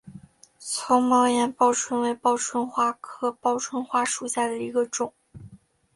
丛毛岩报春为报春花科报春花属下的一个种。